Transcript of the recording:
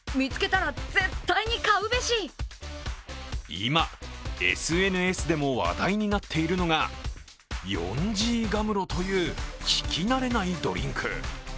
今、ＳＮＳでも話題になっているのがヨンジーガムロという聞き慣れないドリンク。